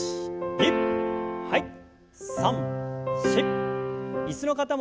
はい。